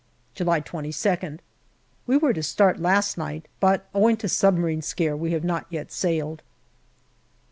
JULY 169 July 22nd. We were to start last night, but owing to submarine scare we have not yet sailed.